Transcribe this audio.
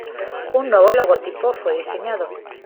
Un nuevo logotipo fue diseñado.